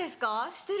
してる？